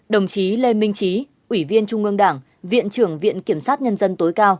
hai mươi sáu đồng chí lê minh trí ủy viên trung ương đảng viện trưởng đại dân